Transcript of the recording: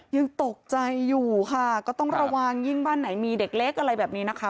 ยังตกใจอยู่ค่ะก็ต้องระวังยิ่งบ้านไหนมีเด็กเล็กอะไรแบบนี้นะคะ